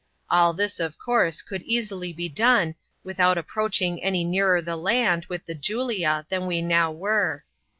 All this, of course, could easily be done, without approaching any nearer the land with the Julia than we now were.